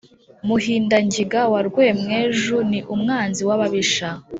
Muhindangiga wa Rwamweju ni Umwanzi w’ababisha